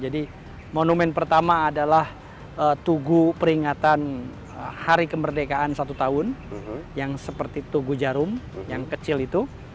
jadi monumen pertama adalah tugu peringatan hari kemerdekaan satu tahun yang seperti tugu jarum yang kecil itu